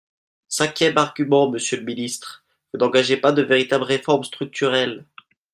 Cinquième argument, monsieur le ministre, vous n’engagez pas de véritables réformes structurelles.